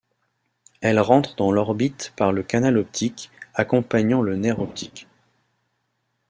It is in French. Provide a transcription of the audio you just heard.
Elle rentre dans l'orbite par le canal optique, accompagnant le nerf optique.